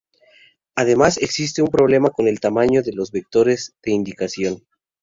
Además existe un problema con el tamaño de los vectores de iniciación.